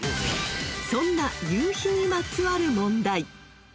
［そんな夕日にまつわる問題］